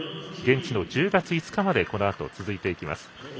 現地の１０月５日までこのあと続いていきます。